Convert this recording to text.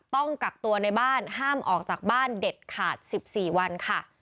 ต้องกักตัวในบ้านห้ามออกจากบ้านเด็ดขาด๑๔วันค่ะ